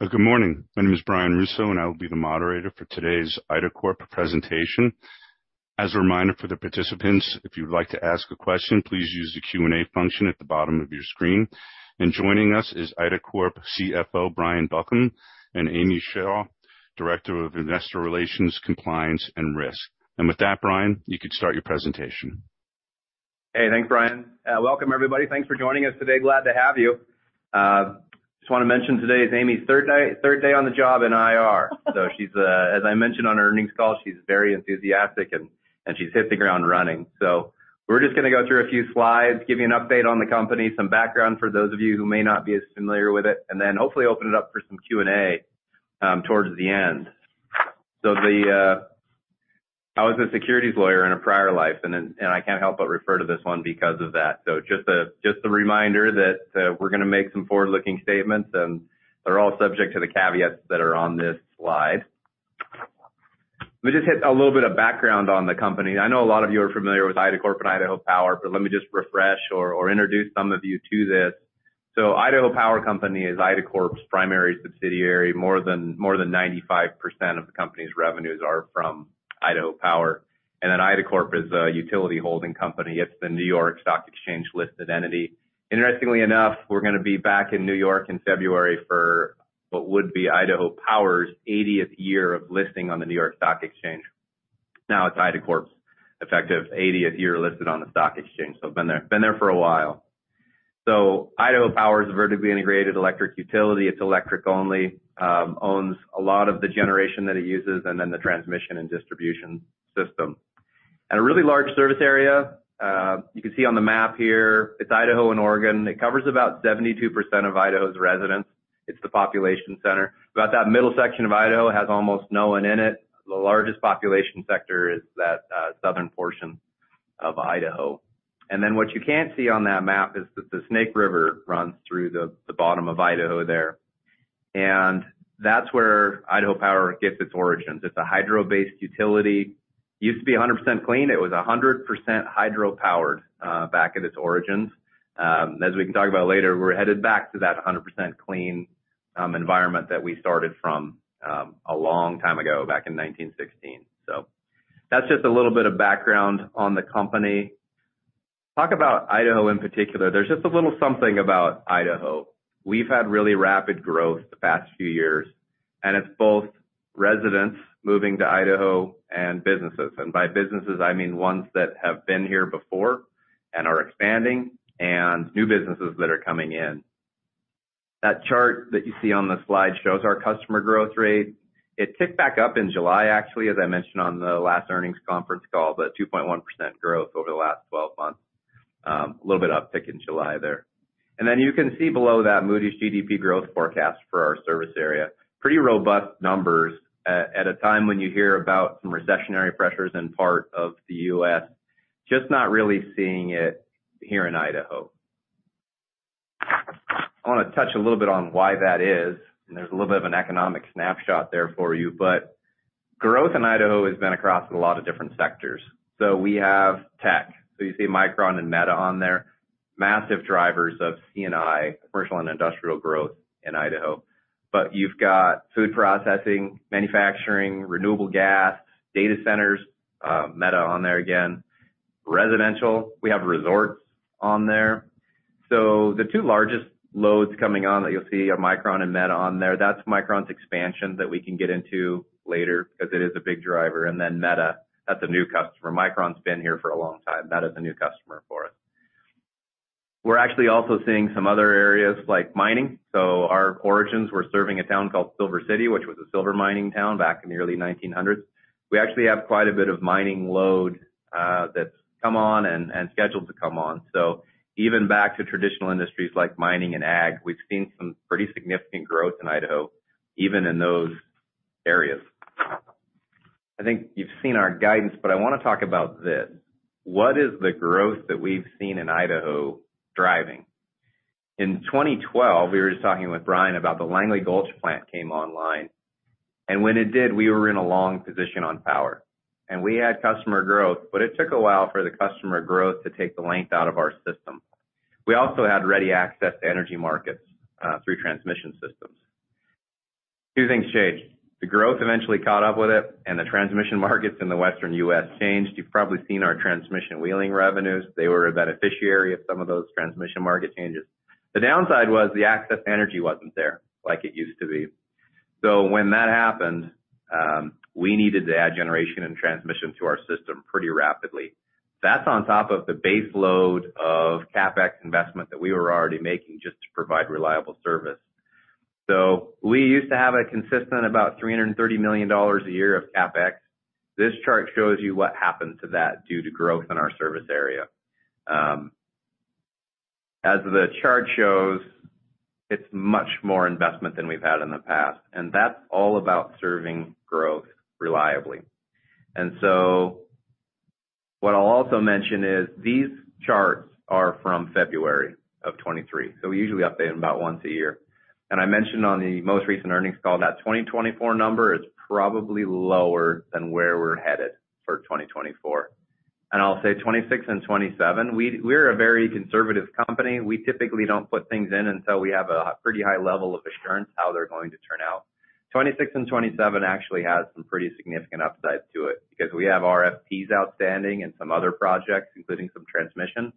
Good morning. My name is Brian Russo, and I will be the moderator for today's IDACORP presentation. As a reminder for the participants, if you'd like to ask a question, please use the Q&A function at the bottom of your screen. Joining us is IDACORP CFO Brian Buckham, and Amy Shaw, Director of Investor Relations, Compliance, and Risk. With that, Brian, you could start your presentation. Hey, thanks, Brian. Welcome, everybody. Thanks for joining us today. Glad to have you. Just want to mention, today is Amy's third day on the job in IR. She's, as I mentioned on our earnings call, she's very enthusiastic, and she's hitting the ground running. We're just going to go through a few slides, give you an update on the company, some background for those of you who may not be as familiar with it, and then hopefully open it up for some Q&A towards the end. The... I was a securities lawyer in a prior life, and I can't help but refer to this one because of that. Just a reminder that we're going to make some forward-looking statements, and they're all subject to the caveats that are on this slide. Let me just hit a little bit of background on the company. I know a lot of you are familiar with IDACORP and Idaho Power, but let me just refresh or introduce some of you to this. Idaho Power Company is IDACORP's primary subsidiary. More than 95% of the company's revenues are from Idaho Power, and then IDACORP is a utility holding company. It's the New York Stock Exchange-listed entity. Interestingly enough, we're going to be back in New York in February for what would be Idaho Power's 80th year of listing on the New York Stock Exchange. Now, it's IDACORP's effective 80th year listed on the stock exchange, so been there, been there for a while. Idaho Power is a vertically integrated electric utility. It's electric only, owns a lot of the generation that it uses, and then the transmission and distribution system. A really large service area, you can see on the map here, it's Idaho and Oregon. It covers about 72% of Idaho's residents. It's the population center. About that middle section of Idaho has almost no one in it. The largest population sector is that southern portion of Idaho. Then what you can't see on that map is that the Snake River runs through the, the bottom of Idaho there, and that's where Idaho Power gets its origins. It's a hydro-based utility. Used to be 100% clean. It was 100% hydro-powered, back in its origins. As we can talk about later, we're headed back to that 100% clean environment that we started from a long time ago, back in 1916. That's just a little bit of background on the company. Talk about Idaho in particular. There's just a little something about Idaho. We've had really rapid growth the past few years, and it's both residents moving to Idaho and businesses. By businesses, I mean ones that have been here before and are expanding, and new businesses that are coming in. That chart that you see on the slide shows our customer growth rate. It ticked back up in July, actually, as I mentioned on the last earnings conference call, the 2.1% growth over the last 12 months. A little bit uptick in July there. Then you can see below that Moody's GDP growth forecast for our service area. Pretty robust numbers at a time when you hear about some recessionary pressures in part of the U.S., just not really seeing it here in Idaho. I want to touch a little bit on why that is, and there's a little bit of an economic snapshot there for you. Growth in Idaho has been across a lot of different sectors. We have tech. You see Micron and Meta on there, massive drivers of C&I, commercial and industrial growth in Idaho. You've got food processing, manufacturing, renewable gas, data centers, Meta on there again, residential. We have resorts on there. The two largest loads coming on that you'll see are Micron and Meta on there. That's Micron's expansion that we can get into later because it is a big driver. Then Meta, that's a new customer. Micron's been here for a long time. Meta is a new customer for us. We're actually also seeing some other areas, like mining. Our origins were serving a town called Silver City, which was a silver mining town back in the early 1900s. We actually have quite a bit of mining load that's come on and, and scheduled to come on. Even back to traditional industries like mining and ag, we've seen some pretty significant growth in Idaho, even in those areas. I think you've seen our guidance, but I want to talk about this: What is the growth that we've seen in Idaho driving? In 2012, we were just talking with Brian about the Langley Gulch plant came online, and when it did, we were in a long position on power, and we had customer growth, but it took a while for the customer growth to take the length out of our system. We also had ready access to energy markets through transmission systems. Two things changed. The growth eventually caught up with it, and the transmission markets in the Western U.S. changed. You've probably seen our transmission wheeling revenues. They were a beneficiary of some of those transmission market changes. The downside was the access to energy wasn't there like it used to be. When that happened, we needed to add generation and transmission to our system pretty rapidly. That's on top of the base load of CapEx investment that we were already making just to provide reliable service. We used to have a consistent about $330 million a year of CapEx. As the chart shows, it's much more investment than we've had in the past, that's all about serving growth reliably. What I'll also mention is these charts are from February of 2023, we usually update them about once a year. I mentioned on the most recent earnings call, that 2024 number is probably lower than where we're headed for 2024. I'll say 2026 and 2027, we're a very conservative company. We typically don't put things in until we have a pretty high level of assurance how they're going to turn out. 2026 and 2027 actually has some pretty significant upside to it because we have RFPs outstanding and some other projects, including some transmission.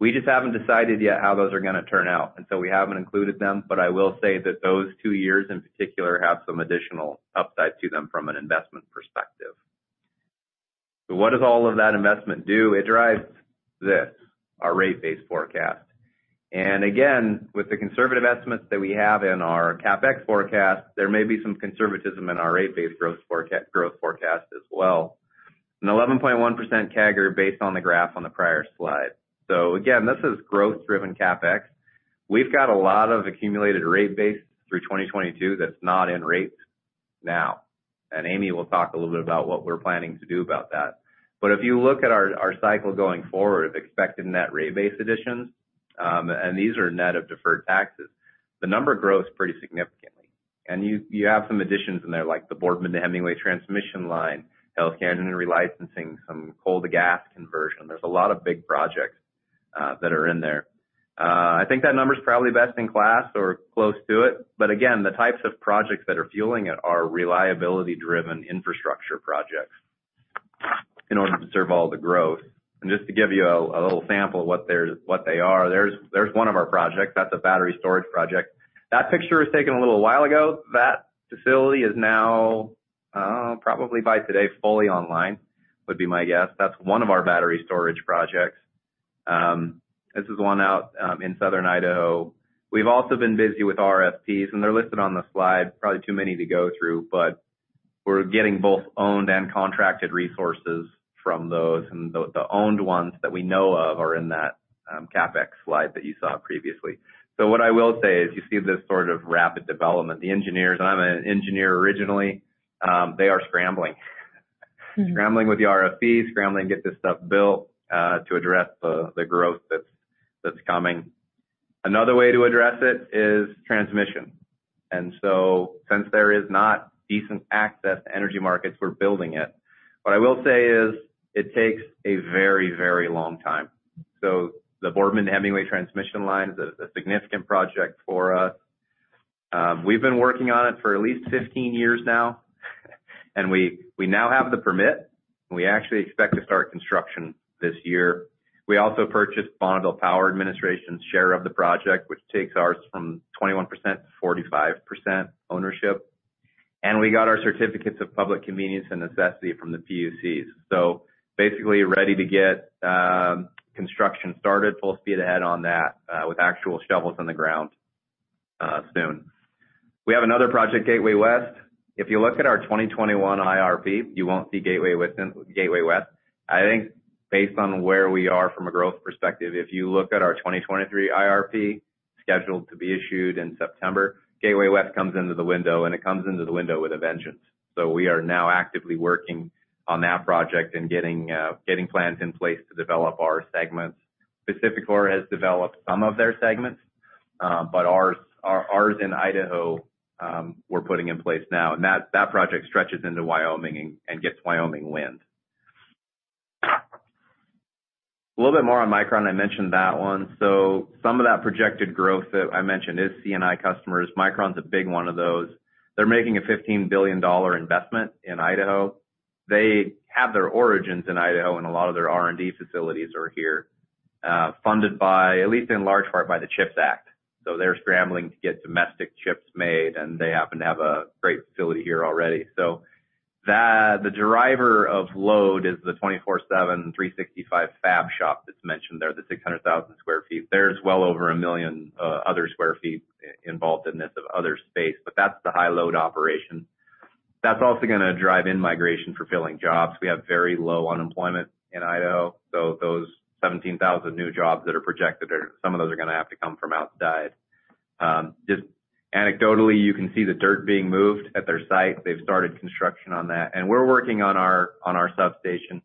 We just haven't decided yet how those are gonna turn out, and so we haven't included them, but I will say that those two years in particular, have some additional upside to them from an investment perspective. What does all of that investment do? It drives this, our rate base forecast. Again, with the conservative estimates that we have in our CapEx forecast, there may be some conservatism in our rate base growth forecast as well. An 11.1% CAGR based on the graph on the prior slide. Again, this is growth-driven CapEx. We've got a lot of accumulated rate base through 2022 that's not in rates now, and Amy will talk a little bit about what we're planning to do about that. If you look at our, our cycle going forward, expected net rate base additions, and these are net of deferred taxes, the number grows pretty significantly. You, you have some additions in there, like the Boardman to Hemingway Transmission Line, Hells Canyon relicensing, some coal to gas conversion. There's a lot of big projects that are in there. I think that number is probably best in class or close to it. Again, the types of projects that are fueling it are reliability-driven infrastructure projects in order to serve all the growth. Just to give you a, a little sample of what there's-- what they are, there's, there's one of our projects. That's a battery storage project. That picture was taken a little while ago. That facility is now, probably by today, fully online, would be my guess. That's one of our battery storage projects. This is one out in Southern Idaho. They're listed on the slide, probably too many to go through, but we're getting both owned and contracted resources from those. The, the owned ones that we know of are in that CapEx slide that you saw previously. What I will say is, you see this sort of rapid development. The engineers, I'm an engineer originally, they are scrambling. Scrambling with the RFP, scrambling to get this stuff built to address the, the growth that's, that's coming. Another way to address it is transmission. Since there is not decent access to energy markets, we're building it. What I will say is, it takes a very, very long time. The Boardman to Hemingway Transmission Line is a, a significant project for us. We've been working on it for at least 15 years now, and we, we now have the permit, and we actually expect to start construction this year. We also purchased Bonneville Power Administration's share of the project, which takes ours from 21% to 45% ownership. We got our Certificate of Public Convenience and Necessity from the PUCs. Basically, ready to get construction started, full speed ahead on that, with actual shovels in the ground soon. We have another project, Gateway West. If you look at our 2021 IRP, you won't see Gateway West. I think based on where we are from a growth perspective, if you look at our 2023 IRP, scheduled to be issued in September, Gateway West comes into the window, and it comes into the window with a vengeance. We are now actively working on that project and getting plans in place to develop our segments. PacifiCorp has developed some of their segments, but ours, ours in Idaho, we're putting in place now. That project stretches into Wyoming and gets Wyoming wind. A little bit more on Micron. I mentioned that one. Some of that projected growth that I mentioned is C&I customers. Micron's a big one of those. They're making a $15 billion investment in Idaho. They have their origins in Idaho, and a lot of their R&D facilities are here, funded by, at least in large part, by the CHIPS Act. They're scrambling to get domestic chips made, and they happen to have a great facility here already. The, the driver of load is the 24/7, 365 fab shop that's mentioned there, the 600,000 sq ft. There's well over 1 million other square feet involved in this of other space, but that's the high load operation. That's also gonna drive in migration for filling jobs. We have very low unemployment in Idaho, so those 17,000 new jobs that are projected, some of those are gonna have to come from outside. Just anecdotally, you can see the dirt being moved at their site. They've started construction on that, and we're working on our, on our substation.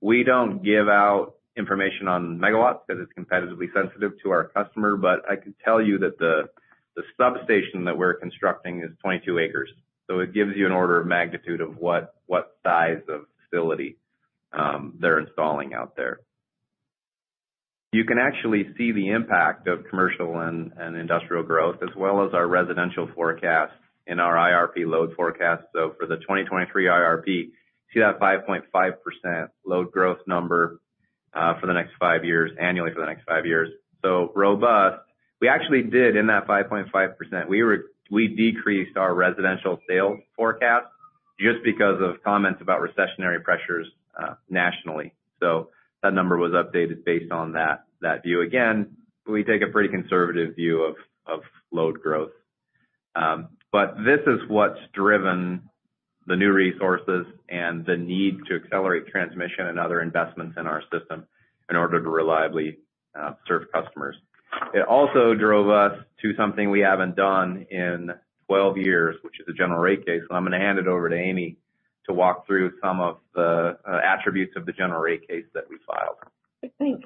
We don't give out information on megawatts because it's competitively sensitive to our customer, but I can tell you that the substation that we're constructing is 22 acres. It gives you an order of magnitude of what size of facility they're installing out there. You can actually see the impact of commercial and industrial growth, as well as our residential forecast and our IRP load forecast. For the 2023 IRP, see that 5.5% load growth number for the next five years, annually for the next five years. Robust. We actually did in that 5.5%, we decreased our residential sales forecast just because of comments about recessionary pressures nationally. That number was updated based on that view. Again, we take a pretty conservative view of load growth. This is what's driven the new resources and the need to accelerate transmission and other investments in our system in order to reliably serve customers. It also drove us to something we haven't done in 12 years, which is a general rate case. I'm gonna hand it over to Amy to walk through some of the attributes of the general rate case that we filed. I think,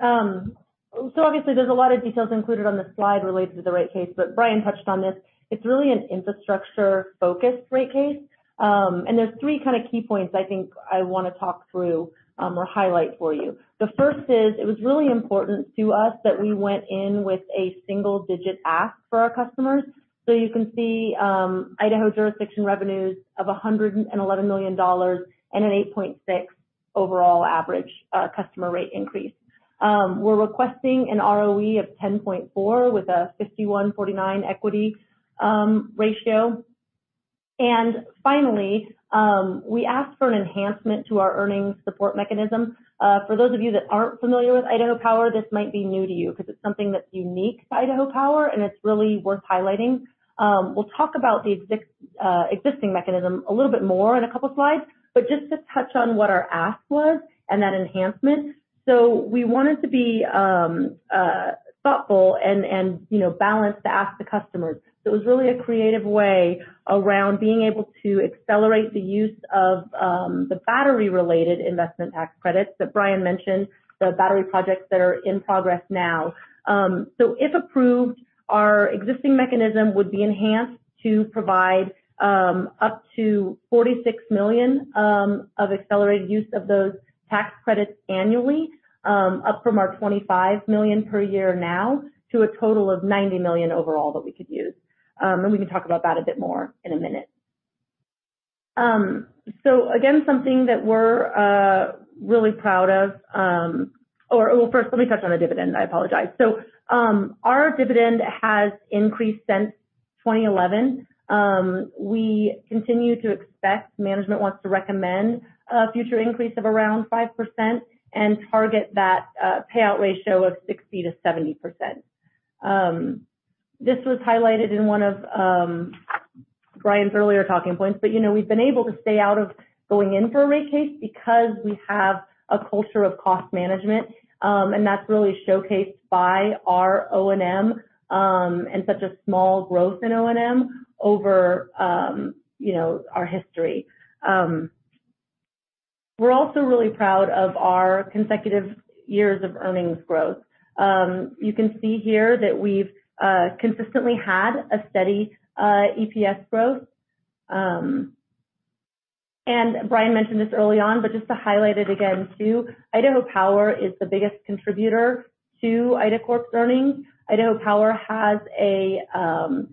obviously there's a lot of details included on this slide related to the rate case, but Brian touched on this. It's really an infrastructure-focused rate case. There's three kind of key points I think I want to talk through or highlight for you. The first is, it was really important to us that we went in with a single digit ask for our customers. You can see, Idaho jurisdiction revenues of $111 million and an 8.6 overall average customer rate increase. We're requesting an ROE of 10.4, with a 51/49 equity ratio. Finally, we asked for an enhancement to our earnings support mechanism. For those of you that aren't familiar with Idaho Power, this might be new to you, 'cause it's something that's unique to Idaho Power, and it's really worth highlighting. We'll talk about the existing mechanism a little bit more in a couple slides, but just to touch on what our ask was and that enhancement. We wanted to be thoughtful and, and, you know, balanced to ask the customers. It was really a creative way around being able to accelerate the use of the battery-related investment tax credits that Brian mentioned, the battery projects that are in progress now. If approved, our existing mechanism would be enhanced to provide up to $46 million of accelerated use of those tax credits annually, up from our $25 million per year now, to a total of $90 million overall that we could use. We can talk about that a bit more in a minute. Again, something that we're really proud of, well, first let me touch on the dividend. I apologize. Our dividend has increased since 2011. We continue to expect management wants to recommend a future increase of around 5% and target that payout ratio of 60%-70%. This was highlighted in one of Brian's earlier talking points, but, you know, we've been able to stay out of going into a rate case because we have a culture of cost management. That's really showcased by our O&M, and such a small growth in O&M over, you know, our history. We're also really proud of our consecutive years of earnings growth. You can see here that we've consistently had a steady EPS growth. Brian mentioned this early on, but just to highlight it again, too, Idaho Power is the biggest contributor to IDACORP Inc's earnings. Idaho Power has an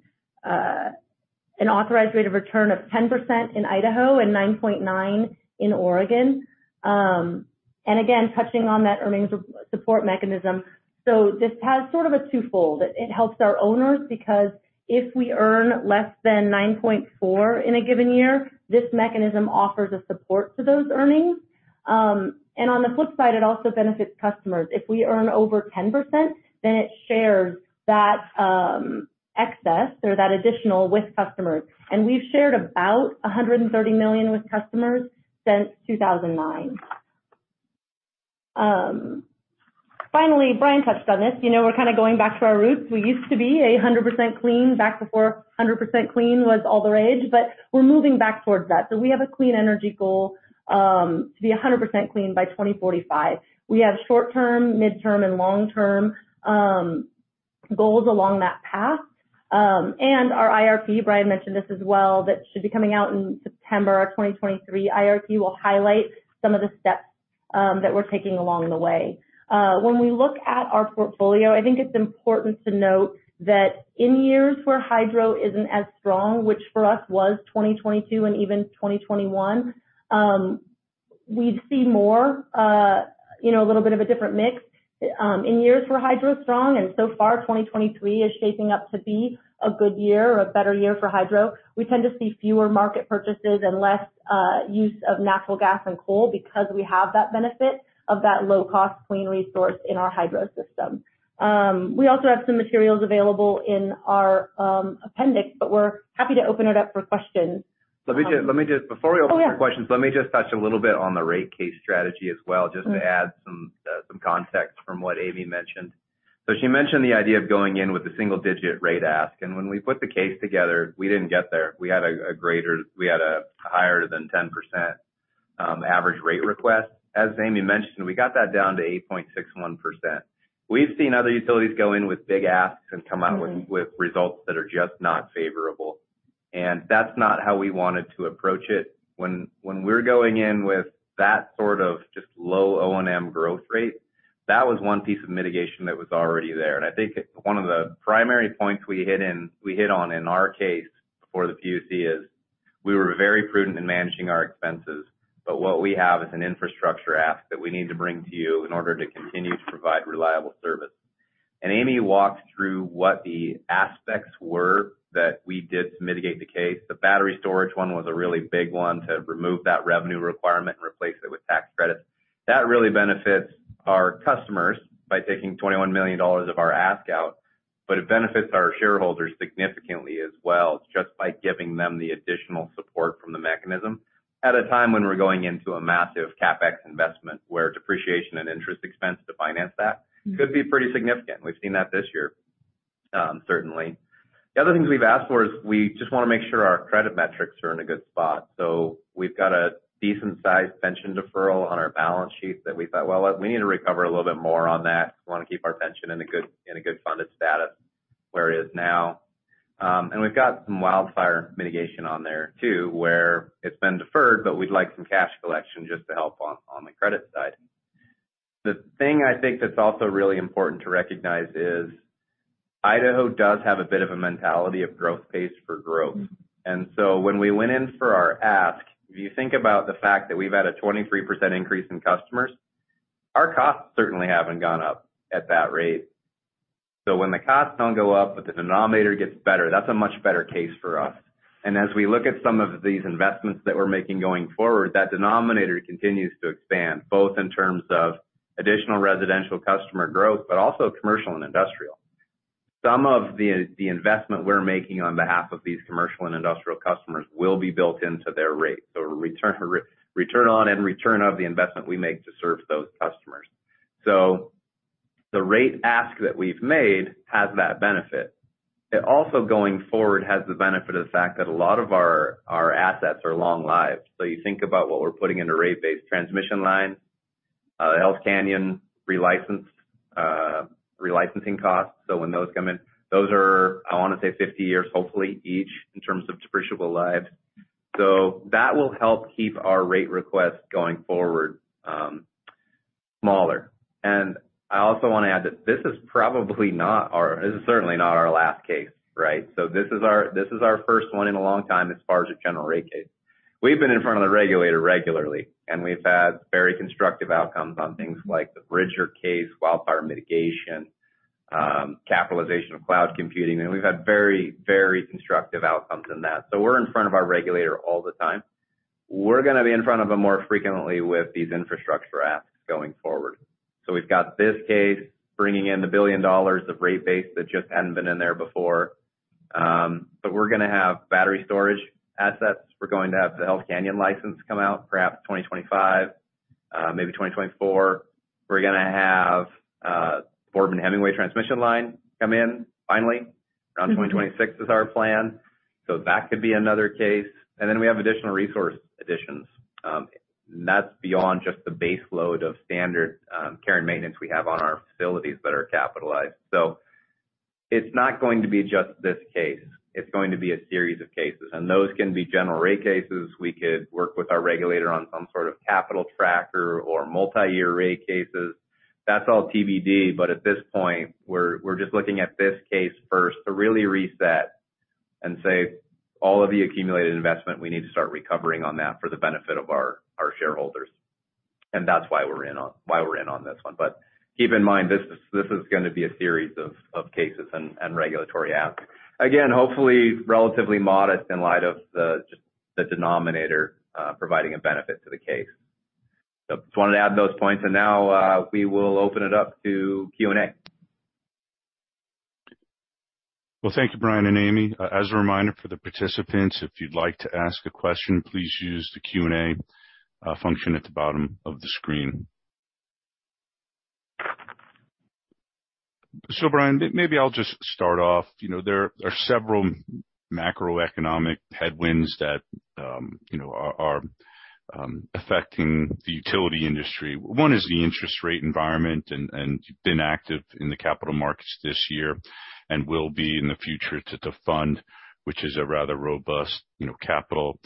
authorized rate of return of 10% in Idaho and 9.9 in Oregon. Again, touching on that earnings support mechanism. This has sort of a twofold. It helps our owners, because if we earn less than 9.4% in a given year, this mechanism offers a support to those earnings. On the flip side, it also benefits customers. If we earn over 10%, it shares that excess or that additional with customers. We've shared about $130 million with customers since 2009. Finally, Brian touched on this. You know, we're kind of going back to our roots. We used to be 100% clean back before 100% clean was all the rage, we're moving back towards that. We have a clean energy goal to be 100% clean by 2045. We have short term, midterm, and long-term goals along that path. Our IRP, Brian mentioned this as well, that should be coming out in September. Our 2023 IRP will highlight some of the steps that we're taking along the way. When we look at our portfolio, I think it's important to note that in years where hydro isn't as strong, which for us was 2022 and even 2021, we'd see more, you know, a little bit of a different mix. In years where hydro is strong, and so far, 2023 is shaping up to be a good year or a better year for hydro, we tend to see fewer market purchases and less use of natural gas and coal because we have that benefit of that low-cost, clean resource in our hydro system. We also have some materials available in our appendix, but we're happy to open it up for questions. Let me just, let me just. Before we open up for questions, let me just touch a little bit on the rate case strategy as well, just to add some context from what Amy mentioned. She mentioned the idea of going in with a single-digit rate ask, and when we put the case together, we didn't get there. We had a greater, we had a higher than 10% average rate request. As Amy mentioned, we got that down to 8.61%. We've seen other utilities go in with big asks and come out with results that are just not favorable, and that's not how we wanted to approach it. When we're going in with that sort of just low O&M growth rate, that was one piece of mitigation that was already there. I think one of the primary points we hit on in our case before the PUC is: We were very prudent in managing our expenses, but what we have is an infrastructure ask that we need to bring to you in order to continue to provide reliable service. Amy walked through what the aspects were that we did to mitigate the case. The battery storage one was a really big one, to remove that revenue requirement and replace it with tax credits. That really benefits our customers by taking $21 million of our ask out, but it benefits our shareholders significantly as well, just by giving them the additional support from the mechanism, at a time when we're going into a massive CapEx investment, where depreciation and interest expense to finance that could be pretty significant. We've seen that this year. Certainly. The other things we've asked for is, we just want to make sure our credit metrics are in a good spot. We've got a decent-sized pension deferral on our balance sheet that we thought, well, we need to recover a little bit more on that. We want to keep our pension in a good, in a good funded status where it is now. We've got some wildfire mitigation on there, too, where it's been deferred, but we'd like some cash collection just to help on, on the credit side. The thing I think that's also really important to recognize is, Idaho does have a bit of a mentality of growth pace for growth. When we went in for our ask, if you think about the fact that we've had a 23% increase in customers, our costs certainly haven't gone up at that rate. When the costs don't go up, but the denominator gets better, that's a much better case for us. As we look at some of these investments that we're making going forward, that denominator continues to expand, both in terms of additional residential customer growth, but also commercial and industrial. Some of the, the investment we're making on behalf of these commercial and industrial customers will be built into their rate. Return, return on and return of the investment we make to serve those customers. The rate ask that we've made has that benefit. It also, going forward, has the benefit of the fact that a lot of our, our assets are long lived. You think about what we're putting in a rate base transmission line, Hells Canyon relicense, relicensing costs. When those come in, those are, I want to say, 50 years, hopefully, each, in terms of depreciable lives. That will help keep our rate requests going forward, smaller. I also want to add that this is probably not our, this is certainly not our last case, right? This is our, this is our first one in a long time as far as a general rate case. We've been in front of the regulator regularly, and we've had very constructive outcomes on things like the Bridger case, wildfire mitigation, capitalization of cloud computing, and we've had very, very constructive outcomes in that. We're in front of our regulator all the time. We're going to be in front of them more frequently with these infrastructure asks going forward. We've got this case bringing in the $1 billion of rate base that just hadn't been in there before. We're going to have battery storage assets. We're going to have the Hells Canyon license come out, perhaps 2025, maybe 2024. We're going to have Boardman-Hemingway transmission line come in finally, around 2026 is our plan. That could be another case. We have additional resource additions. That's beyond just the base load of standard care and maintenance we have on our facilities that are capitalized. It's not going to be just this case, it's going to be a series of cases, and those can be general rate cases. We could work with our regulator on some sort of capital tracker or multi-year rate plans. That's all TBD, but at this point, we're, we're just looking at this case first to really reset and say, all of the accumulated investment, we need to start recovering on that for the benefit of our, our shareholders. That's why we're in why we're in on this one. Keep in mind, this is, this is going to be a series of, of cases and, and regulatory asks. Again, hopefully, relatively modest in light of the, just the denominator, providing a benefit to the case. Just wanted to add those points, and now, we will open it up to Q&A. Well, thank you, Brian and Amy. As a reminder for the participants, if you'd like to ask a question, please use the Q&A function at the bottom of the screen. Brian, maybe I'll just start off. You know, there are several macroeconomic headwinds that, you know, are, are, affecting the utility industry. One is the interest rate environment, and, and you've been active in the capital markets this year and will be in the future to the fund, which is a rather robust, you know, capital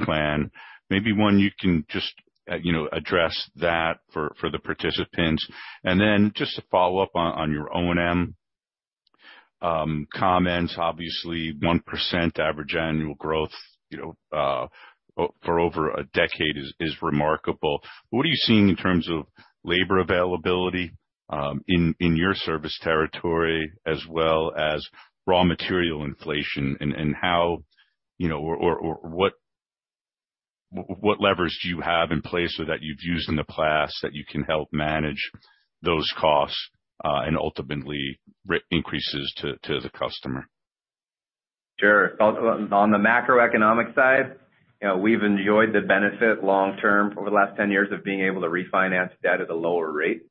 plan. Maybe, one, you can just, you know, address that for, for the participants. Then just to follow up on, on your O&M comments. Obviously, 1% average annual growth, you know, for over a decade is, is remarkable. What are you seeing in terms of labor availability, in, in your service territory, as well as raw material inflation? How, you know, or, or, or what, what levers do you have in place so that you've used in the past that you can help manage those costs, and ultimately rate increases to, to the customer? Sure. On, on the macroeconomic side, you know, we've enjoyed the benefit long term, over the last 10 years, of being able to refinance debt at a lower rate.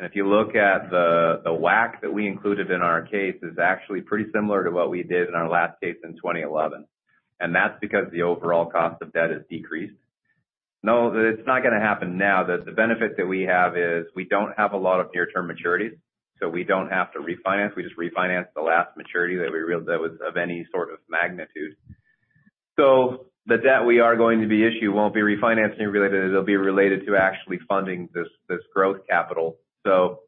If you look at the, the WACC that we included in our case, is actually pretty similar to what we did in our last case in 2011, and that's because the overall cost of debt has decreased. No, it's not going to happen now. The, the benefit that we have is we don't have a lot of near-term maturities, so we don't have to refinance. We just refinanced the last maturity that we realized that was of any sort of magnitude. The debt we are going to be issuing won't be refinancing related, it'll be related to actually funding this, this growth capital. It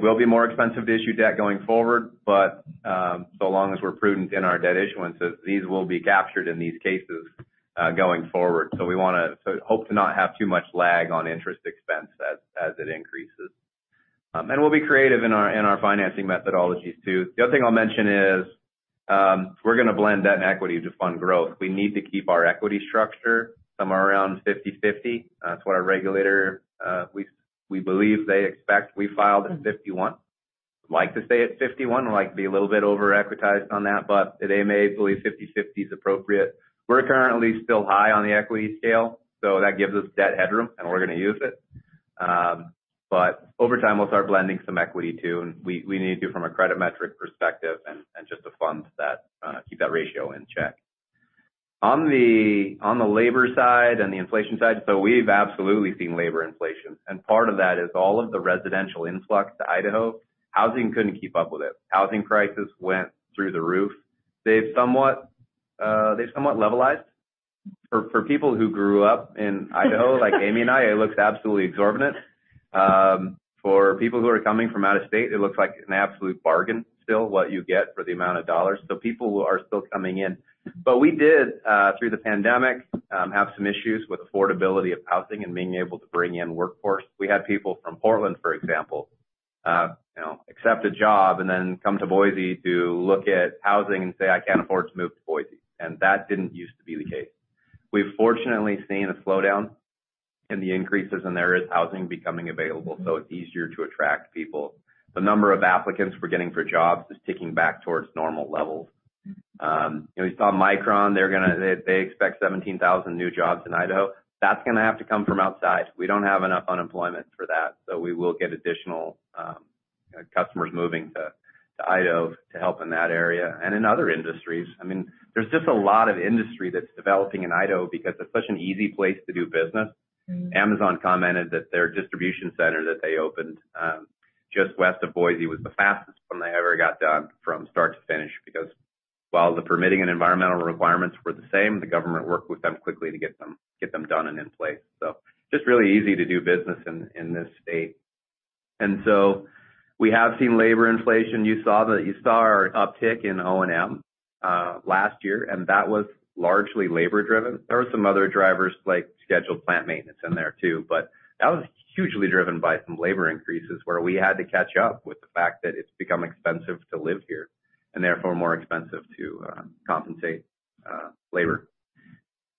will be more expensive to issue debt going forward, but so long as we're prudent in our debt issuances, these will be captured in these cases going forward. We want to hope to not have too much lag on interest expense as it increases. And we'll be creative in our financing methodologies, too. The other thing I'll mention is, we're going to blend debt and equity to fund growth. We need to keep our equity structure somewhere around 50/50. That's what our regulator, we believe they expect. We filed at 51. Like to stay at 51, like to be a little bit over-equitized on that, but they may believe 50/50 is appropriate. We're currently still high on the equity scale, so that gives us debt headroom, and we're going to use it. Over time, we'll start blending some equity, too, and we, we need to from a credit metric perspective and, and just the funds that keep that ratio in check. On the, on the labor side and the inflation side, we've absolutely seen labor inflation, and part of that is all of the residential influx to Idaho. Housing couldn't keep up with it. Housing prices went through the roof. They've somewhat, they've somewhat levelized. For, for people who grew up in Idaho, like Amy and I, it looks absolutely exorbitant. For people who are coming from out of state, it looks like an absolute bargain still, what you get for the amount of dollars, people are still coming in. We did, through the pandemic, have some issues with affordability of housing and being able to bring in workforce. We had people from Portland, for example, you know, accept a job and then come to Boise to look at housing and say, "I can't afford to move to Boise." That didn't used to be the case. We've fortunately seen a slowdown in the increases, and there is housing becoming available, so it's easier to attract people. The number of applicants we're getting for jobs is ticking back towards normal levels. You know, we saw Micron, they expect 17,000 new jobs in Idaho. That's gonna have to come from outside. We don't have enough unemployment for that, so we will get additional customers moving to Idaho to help in that area and in other industries. I mean, there's just a lot of industry that's developing in Idaho because it's such an easy place to do business. Amazon commented that their distribution center that they opened, just west of Boise, was the fastest one they ever got done from start to finish, because while the permitting and environmental requirements were the same, the government worked with them quickly to get them, get them done and in place. Just really easy to do business in, in this state. We have seen labor inflation. You saw our uptick in O&M last year, and that was largely labor-driven. There were some other drivers, like scheduled plant maintenance in there, too, but that was hugely driven by some labor increases, where we had to catch up with the fact that it's become expensive to live here and therefore more expensive to compensate labor.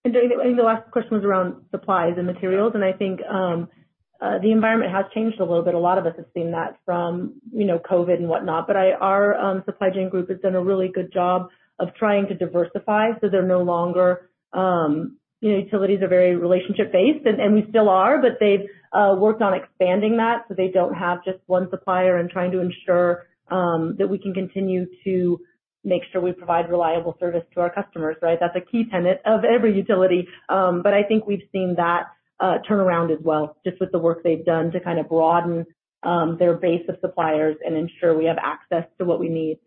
Dave, I think the last question was around supplies and materials, and I think the environment has changed a little bit. A lot of us have seen that from, you know, COVID and whatnot. Our supply chain group has done a really good job of trying to diversify, so they're no longer... You know, utilities are very relationship-based, and, and we still are, but they've worked on expanding that, so they don't have just one supplier and trying to ensure that we can continue to make sure we provide reliable service to our customers, right? That's a key tenet of every utility. I think we've seen that turn around as well, just with the work they've done to kind of broaden their base of suppliers and ensure we have access to what we need.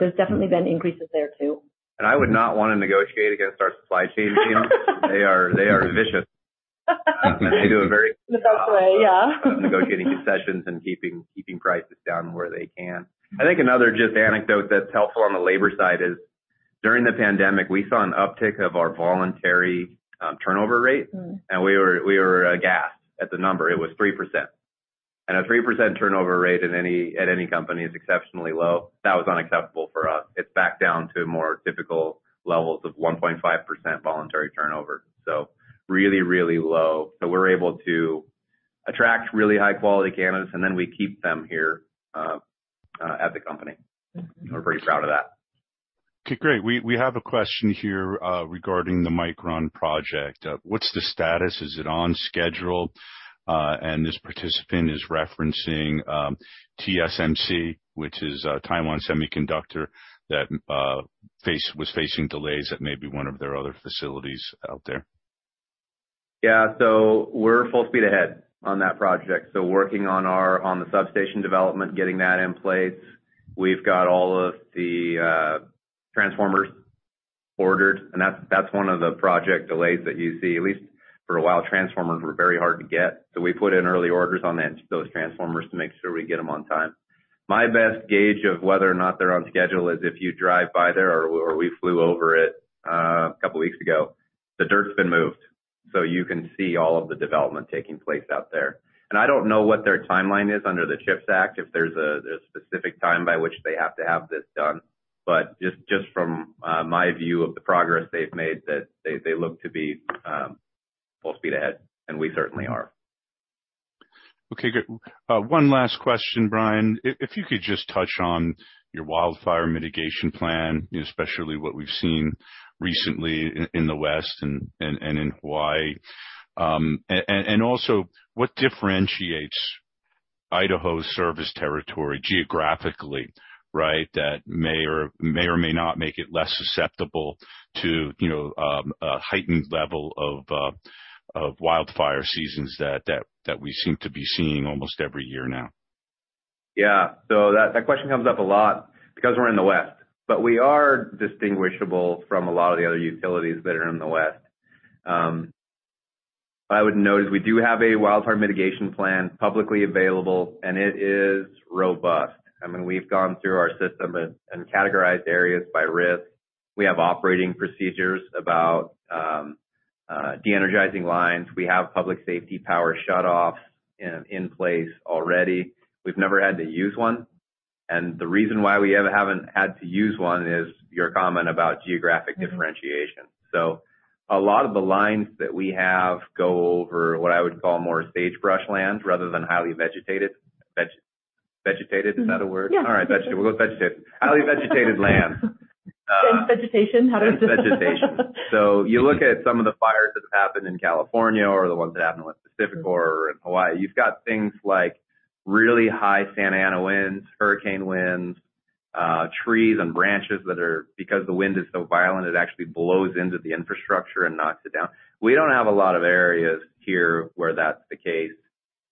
There's definitely been increases there, too. I would not want to negotiate against our supply chain team. They are, they are vicious. They do a very- In the best way, yeah. -of negotiating concessions and keeping, keeping prices down where they can. I think another just anecdote that's helpful on the labor side is, during the pandemic, we saw an uptick of our voluntary, turnover rate. Mm. We were, we were aghast at the number. It was 3%. A 3% turnover rate at any company is exceptionally low. That was unacceptable for us. It's back down to more typical levels of 1.5% voluntary turnover, so really, really low. We're able to attract really high-quality candidates, and then we keep them here at the company. We're pretty proud of that. Okay, great. We have a question here regarding the Micron project. What's the status? Is it on schedule? This participant is referencing TSMC, which is Taiwan Semiconductor, that was facing delays at maybe one of their other facilities out there. Yeah, we're full speed ahead on that project. Working on the substation development, getting that in place. We've got all of the transformers ordered, and that's, that's one of the project delays that you see. At least for a while, transformers were very hard to get, so we put in early orders on that, those transformers, to make sure we get them on time. My best gauge of whether or not they're on schedule is if you drive by there or, or we flew over it a couple weeks ago. The dirt's been moved, so you can see all of the development taking place out there. I don't know what their timeline is under the CHIPS Act, if there's a specific time by which they have to have this done. Just, just from my view of the progress they've made, that they, they look to be full speed ahead, and we certainly are. Okay, good. One last question, Brian. If you could just touch on your wildfire mitigation plan, especially what we've seen recently in the West and in Hawaii. Also, what differentiates Idaho's service territory geographically, right, that may or may not make it less susceptible to, you know, a heightened level of wildfire seasons that we seem to be seeing almost every year now? Yeah. That, that question comes up a lot because we're in the West, but we are distinguishable from a lot of the other utilities that are in the West. What I would note is we do have a wildfire mitigation plan publicly available, and it is robust. I mean, we've gone through our system and, and categorized areas by risk. We have operating procedures about de-energizing lines. We have Public Safety Power Shutoffs in, in place already. We've never had to use one, and the reason why we ever haven't had to use one is your comment about geographic differentiation. Mm-hmm. A lot of the lines that we have go over what I would call more sagebrush land rather than highly vegetated, vegetated, is that a word? Yeah. All right, vegetated. We'll go with vegetated. Highly vegetated land. Dense vegetation? How does- Dense vegetation. You look at some of the fires that have happened in California or the ones that happened with PacifiCorp or in Hawaii. You've got things like really high Santa Ana winds, hurricane winds, trees and branches that are, because the wind is so violent, it actually blows into the infrastructure and knocks it down. We don't have a lot of areas here where that's the case,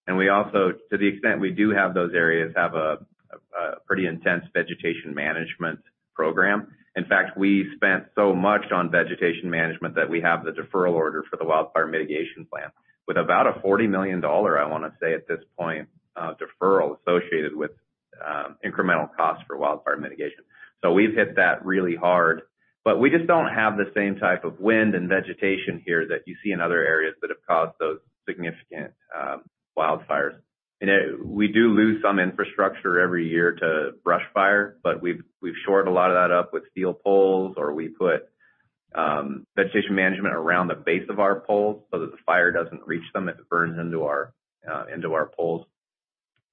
and we also, to the extent we do have those areas, have a, a, a pretty intense vegetation management program. In fact, we spent so much on vegetation management that we have the deferral order for the wildfire mitigation plan with about a $40 million, I want to say at this point, deferral associated with incremental costs for wildfire mitigation. We've hit that really hard, but we just don't have the same type of wind and vegetation here that you see in other areas that have caused those significant wildfires. You know, we do lose some infrastructure every year to brush fire, but we've, we've shored a lot of that up with steel poles, or we put vegetation management around the base of our poles so that the fire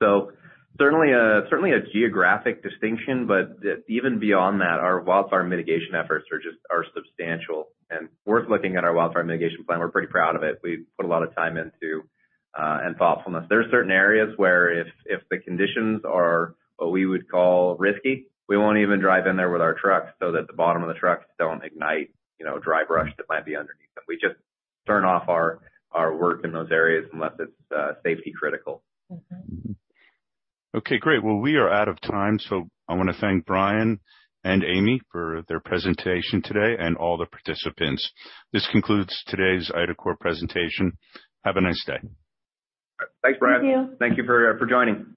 doesn't reach them if it burns into our into our poles. Certainly a, certainly a geographic distinction, but even beyond that, our wildfire mitigation efforts are just, are substantial. Worth looking at our wildfire mitigation plan. We're pretty proud of it. We've put a lot of time into and thoughtfulness. There are certain areas where if, if the conditions are what we would call risky, we won't even drive in there with our trucks so that the bottom of the trucks don't ignite, you know, dry brush that might be underneath them. We just turn off our, our work in those areas unless it's safety critical. Mm-hmm. Okay, great. Well, we are out of time, so I want to thank Brian and Amy for their presentation today and all the participants. This concludes today's IDACORP, Inc. presentation. Have a nice day. Thanks, Brian. Thank you. Thank you for, for joining.